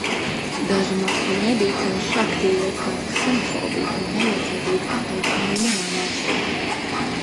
Daži masu mediji cenšas aktīvi veicināt ksenofobiju un neiecietīgu attieksmi arī manā valstī.